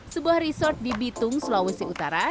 sebuah resort di bitung sulawesi utara